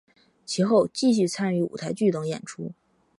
其后继续参与舞台剧等演出。